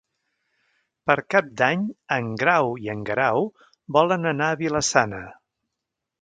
Per Cap d'Any en Grau i en Guerau volen anar a Vila-sana.